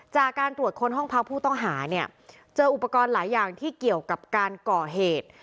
จากการตรวจค้นห้องพักผู้ต้องหาเนี่ยเจออุปกรณ์หลายอย่างที่เกี่ยวกับการก่อเหตุ